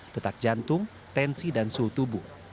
detak jantung tensi dan suhu tubuh